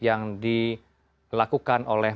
yang dilakukan oleh